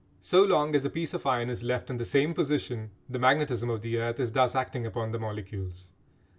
So long as a piece of iron is left in the same position the magnetism of the earth is thus acting upon the molecules.